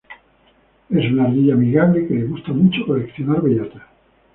Es una ardilla amigable que le gusta mucho coleccionar bellotas.